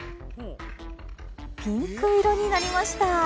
ピンク色になりました。